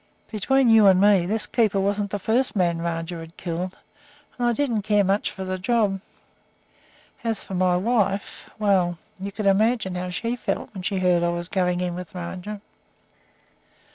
Between you and me, this keeper wasn't the first man Rajah had killed, and I didn't care much for the job. As for my wife well, you can imagine how she felt when she heard I was going in with Rajah.